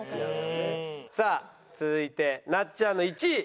さあ続いてなっちゃんの１位。